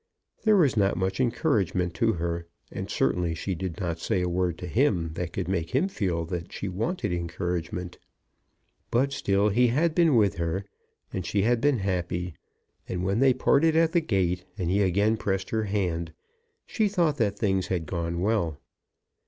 There was not much encouragement to her, and certainly she did not say a word to him that could make him feel that she wanted encouragement. But still he had been with her, and she had been happy; and when they parted at the gate, and he again pressed her hand, she thought that things had gone well.